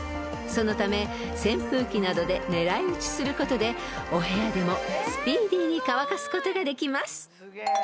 ［そのため扇風機などで狙い撃ちすることでお部屋でもスピーディーに乾かすことができます］